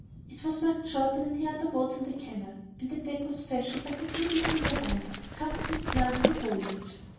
It was much shorter than the other boats on the canal, and the deck was fashioned like a beautiful veranda, covered with plants and foliage.